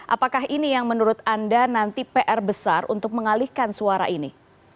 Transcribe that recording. apakah ini yang menurut anda nanti pr besar untuk mengalihkan suara ini